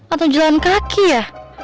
atau jalan kaki ya